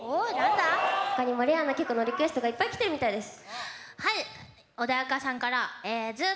ほかにもレアな曲のリクエストがきているみたいです。